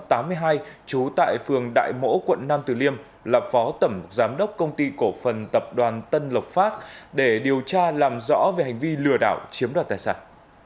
trú tại phường đại mỗ quận nam từ liêm là phó tẩm giám đốc công ty cổ phần tập đoàn tâm lộc phát để điều tra làm rõ về hành vi lừa đảo chiếm đoàn tài sản